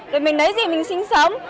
rồi mình lấy gì mình xin sống